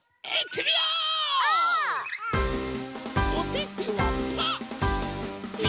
おててはパー。